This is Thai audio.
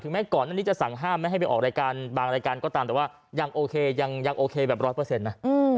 ถึงแม่งก่อนอันนี้สั่งห้ามมาให้ออกบางรายการก็ตามแต่ว่ายังโอเคอย่างแบบร้อพอเซ็นต์นะ